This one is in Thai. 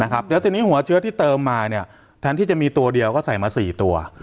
แล้วทีนี้หัวเชื้อที่เติมมาแทนที่จะมีตัวเดียวก็ใส่มา๔ตัว